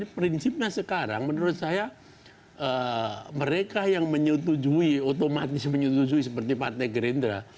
prinsipnya sekarang menurut saya mereka yang menyentuhi otomatis menyentuhi seperti pathe gerindra